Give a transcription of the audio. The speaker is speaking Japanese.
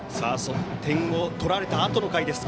点を取られたあとの回です